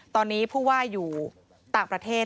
ตอนนี้ผู้ว่าอยู่ต่างประเทศ